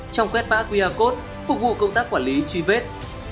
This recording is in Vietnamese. trong quét mã qr code phục vụ công tác quản lý truy vết